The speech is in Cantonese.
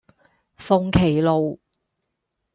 鳳麒路